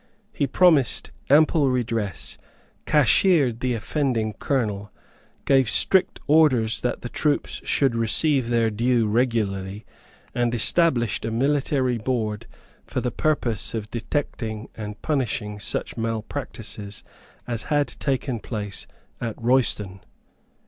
He promised ample redress, cashiered the offending colonel, gave strict orders that the troops should receive their due regularly, and established a military board for the purpose of detecting and punishing such malpractices as had taken place at Royston.